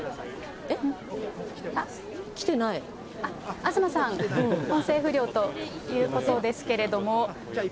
東さん、音声不良ということですけれども。